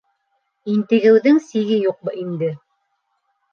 — Интегеүҙең сиге юҡ инде.